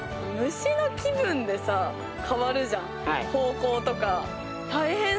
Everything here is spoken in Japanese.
虫の気分でさ変わるじゃん方向とか。